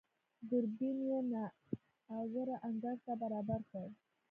دوربين يې نااواره انګړ ته برابر کړ.